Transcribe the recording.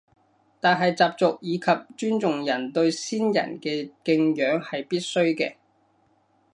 但係習俗以及尊重人對先人嘅敬仰係必須嘅